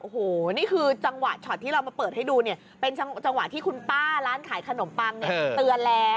โอ้โหนี่คือจังหวะช็อตที่เรามาเปิดให้ดูเนี่ยเป็นจังหวะที่คุณป้าร้านขายขนมปังเนี่ยเตือนแล้ว